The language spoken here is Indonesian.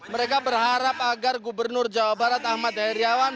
mereka berharap agar gubernur jawa barat ahmad heriawan